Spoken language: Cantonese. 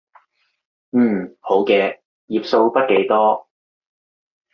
嗯，好嘅，頁數筆記多